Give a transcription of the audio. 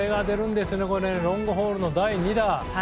ロングホールの第２打。